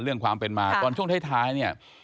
เรื่องความเป็นมาตอนช่วงท้ายเนี่ย